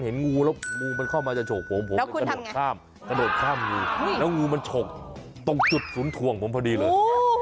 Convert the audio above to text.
เฮ้ยรีบกุ้มเลย